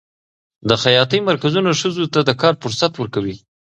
د خیاطۍ مرکزونه ښځو ته د کار فرصت ورکوي.